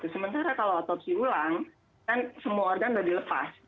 sementara kalau otopsi ulang kan semua organ sudah dilepas